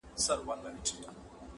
اوس مو د زلمو مستي له وخته سره ژاړي!.